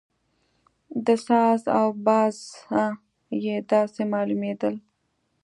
له ساز او بازه یې داسې معلومېدل.